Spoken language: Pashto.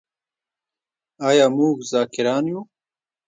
آیا موږ ذاکران یو؟